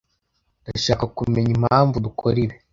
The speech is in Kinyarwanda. ndashaka kumenya impamvu dukora ibi